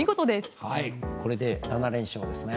これで７連勝ですね。